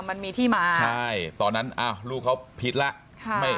มันมีที่มาใช่ตอนนั้นลูกเขาผิดแล้ว